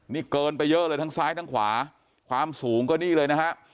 นี่เกินไปเยอะเลยทั้งซ้ายทั้งขวาความสูงก็นี่เลยนะฮะ